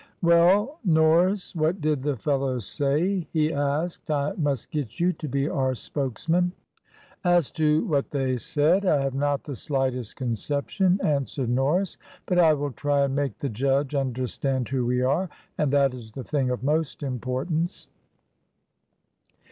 "Well, Norris, what did the fellows say?" he asked. "I must get you to be our spokesman." "As to what they said, I have not the slightest conception," answered Norris; "but I will try and make the judge understand who we are, and that is the thing of most importance."